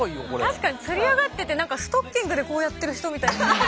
確かにつり上がっててストッキングでこうやってる人みたい。